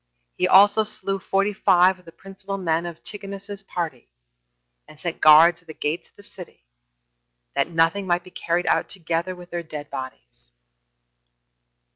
He also slew forty five of the principal men of Antigonus's party, and set guards at the gates of the city, that nothing might be carried out together with their dead bodies.